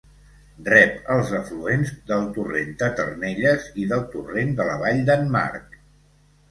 Rep els afluents del torrent de Ternelles i del torrent de la Vall d'en Marc.